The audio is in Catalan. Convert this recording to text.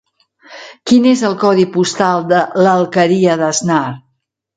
Quin és el codi postal de l'Alqueria d'Asnar?